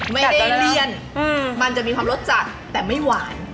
ไม่ได้เลี่ยนมันจะมีความรสจัดแต่ไม่หวาน